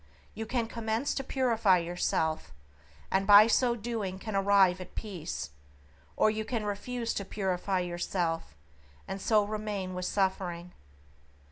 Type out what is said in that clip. You can commence to purify yourself, and by so doing can arrive at peace, or you can refuse to purify yourself, and so remain with suffering.